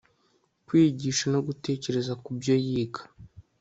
kwiyigisha no gutekereza ku byo yiga